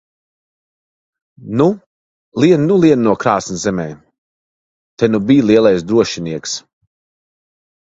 Nu, lien nu lien no krāsns zemē! Te nu bij lielais drošinieks!